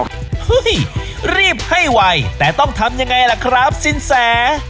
เฮ้ยรีบให้ไวแต่ต้องทำยังไงล่ะครับสินแส